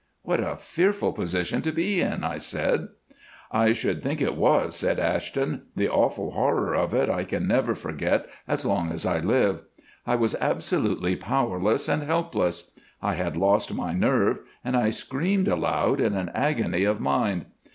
"What a fearful position to be in," I said. "I should think it was," said Ashton. "The awful horror of it I can never forget as long as I live. I was absolutely powerless and helpless. I had lost my nerve, and I screamed aloud in an agony of mind.